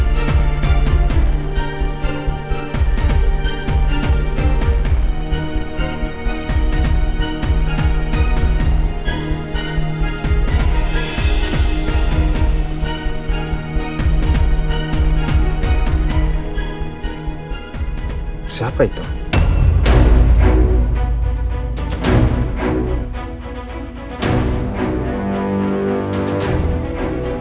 pada saat pembunuhan